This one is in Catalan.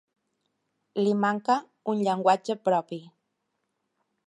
Li manca un llenguatge propi.